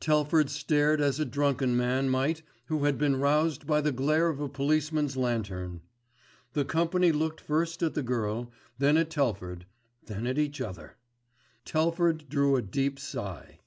Telford stared as a drunken man might who had been roused by the glare of a policeman's lantern. The company looked first at the girl, then at Telford, then at each other. Telford drew a deep sigh.